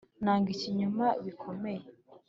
nanga ikinyoma bikomeye